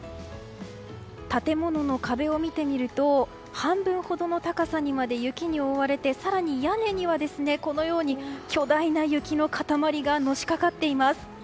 建物の壁を見てみると半分ほどの高さまで雪に覆われて、更に屋根にはこのように巨大な雪の塊がのしかかっています。